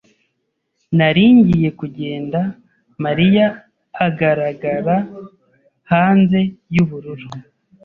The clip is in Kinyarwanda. Nari ngiye kugenda, Mariya agaragara hanze yubururu.